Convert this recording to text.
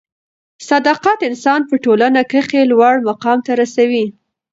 صدافت انسان په ټولنه کښي لوړ مقام ته رسوي.